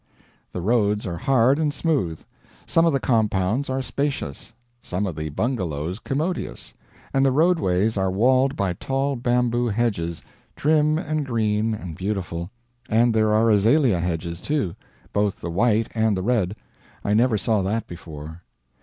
The roads are hard and smooth; some of the compounds are spacious, some of the bungalows commodious, and the roadways are walled by tall bamboo hedges, trim and green and beautiful; and there are azalea hedges, too, both the white and the red; I never saw that before.